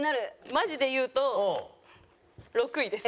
マジで言うと６位です。